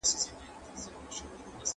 په نکاح کي لوړ معيارونه ټاکل کومي پايلي لري؟